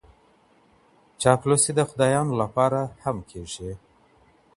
چاپلوسي د خدایانو لپاره هم کیږي.